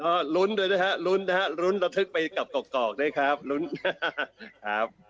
อ่าลุ้นด้วยนะฮะลุ้นนะฮะลุ้นแล้วทึกไปกลับกรอกกรอกได้ครับลุ้นครับ